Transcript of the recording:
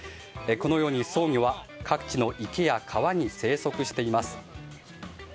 このようにソウギョは各地の池や川に生息しています。